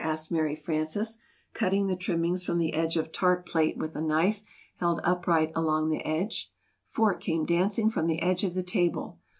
asked Mary Frances, cutting the trimmings from the edge of Tart Plate with a knife held upright along the edge. Fork came dancing from the edge of the table.